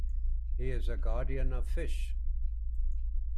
He is a guardian of fish.